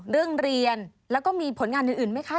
เรียนแล้วก็มีผลงานอื่นไหมคะ